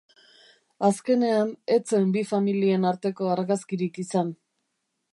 Azkenean, ez zen bi familien arteko argazkirik izan.